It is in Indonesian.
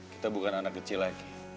kita bukan anak kecil lagi